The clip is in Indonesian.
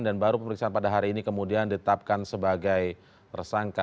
dan baru pemeriksaan pada hari ini kemudian ditetapkan sebagai tersangka